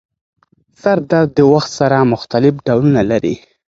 سردرد د وخت سره مختلف ډولونه لري.